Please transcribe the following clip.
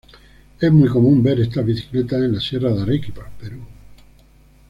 Es muy común ver estas bicicletas en la sierra de Arequipa, Perú.